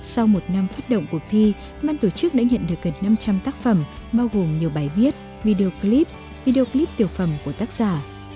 sau một năm phát động cuộc thi ban tổ chức đã nhận được gần năm trăm linh tác phẩm bao gồm nhiều bài viết video clip video clip tiểu phẩm của tác giả